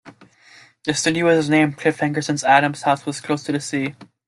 The studio was named Cliffhanger since Adams' house was close to the sea.